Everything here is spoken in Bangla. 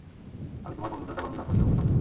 আমি তোমার পবিত্রতা বর্ণনা করি ও প্রশংসা করি।